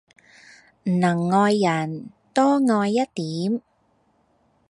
能愛人，多愛一點。